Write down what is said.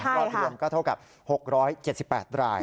รวมก็เท่ากับ๖๗๘ราย